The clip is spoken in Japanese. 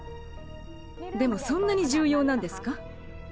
でもそんなにじゅうようなんですか？